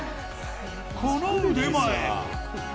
この腕前。